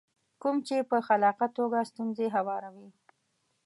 کوم چې په خلاقه توګه ستونزې هواروي.